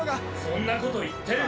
そんなこと言ってる。